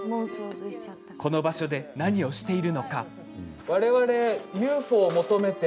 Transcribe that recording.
この場所で何をしているのか。